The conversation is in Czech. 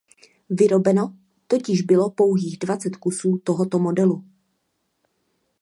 Vyrobeno totiž bylo pouhých dvacet kusů tohoto modelu.